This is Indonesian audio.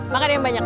makan yang banyak